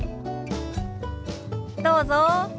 どうぞ。